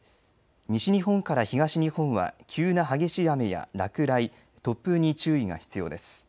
西日本から東日本は急な激しい雨や落雷、突風に注意が必要です。